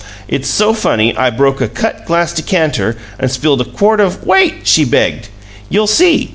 "It's so funny I broke a cut glass decanter and spilled a quart of " "Wait!" she begged. "You'll see.